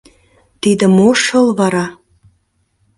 — Тиде мо шыл вара?